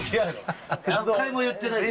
１回も言ってないよ。